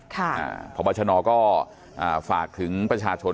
พบชนก็ฝากถึงประชาชน